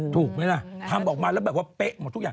ถูกไหมล่ะทำออกมาแล้วแบบว่าเป๊ะหมดทุกอย่าง